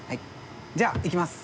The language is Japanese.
じゃあいきます。